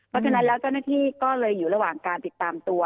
เพราะฉะนั้นแล้วเจ้าหน้าที่ก็เลยอยู่ระหว่างการติดตามตัว